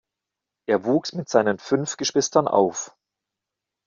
Er wuchs mit seinen fünf Geschwistern auf.